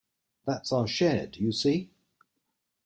That's our share, do you see?